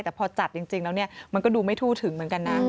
แต่พอจัดจริงแล้วเนี่ยมันก็ดูไม่ทั่วถึงเหมือนกันนะ